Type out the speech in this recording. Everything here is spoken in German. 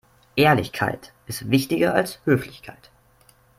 Ehrlichkeit ist wichtiger als Höflichkeit.